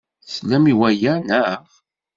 Teslam i waya, naɣ?